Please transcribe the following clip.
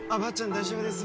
大丈夫です